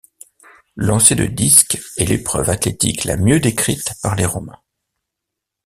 Le lancer du disque est l'épreuve athlétique la mieux décrite par les Romains.